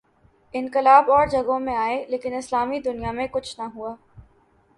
انقلاب اور جگہوں میں آئے لیکن اسلامی دنیا میں کچھ نہ ہوا۔